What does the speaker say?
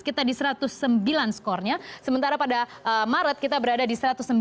kita di satu ratus sembilan skornya sementara pada maret kita berada di satu ratus sembilan puluh